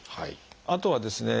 あとはですね